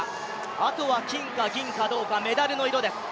あとは金か銀か銅か、メダルの色です。